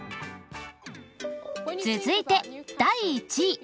続いて第１位。